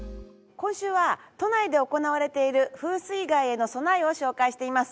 今週は都内で行われている風水害への備えを紹介しています。